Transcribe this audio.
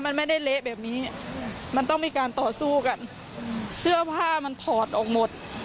มันไม่ได้เละแบบนี้มันต้องมีการต่อสู้กันเสื้อผ้ามันถอดออกหมด